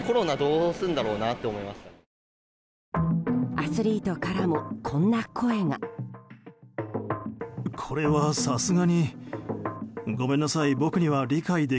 アスリートからもこんな声が。